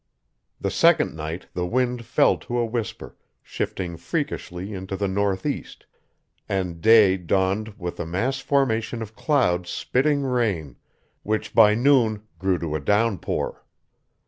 The second night the wind fell to a whisper, shifting freakishly into the northeast, and day dawned with a mass formation of clouds spitting rain, which by noon grew to a downpour.